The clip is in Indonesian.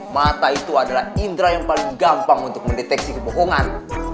mata itu adalah indera yang paling gampang untuk mendeteksi kebohongan